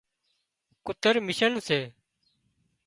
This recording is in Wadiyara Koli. ڪُتر مشينَ سي